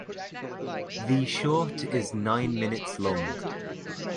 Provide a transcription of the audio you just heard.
The short is nine minutes long.